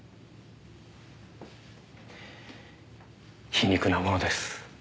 皮肉なものです。